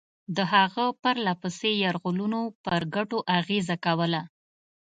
د هغه پرله پسې یرغلونو پر ګټو اغېزه کوله.